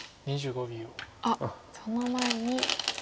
あっその前に。